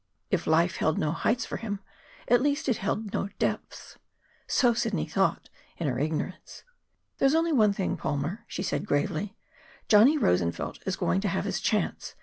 If life held no heights for him, at least it held no depths. So Sidney thought, in her ignorance! "There's only one thing, Palmer," she said gravely. "Johnny Rosenfeld is going to have his chance.